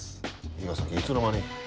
伊賀崎いつの間に。